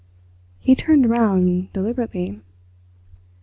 He turned round deliberately.